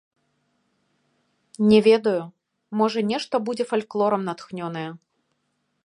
Не ведаю, можа, нешта будзе фальклорам натхнёнае.